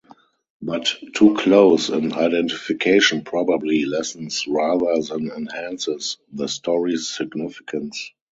But too close an identification probably lessens rather than enhances the story's significance.